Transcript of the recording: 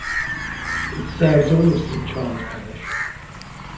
It serves all of Saint Charles Parish.